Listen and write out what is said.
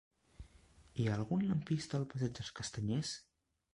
Hi ha algun lampista al passeig dels Castanyers?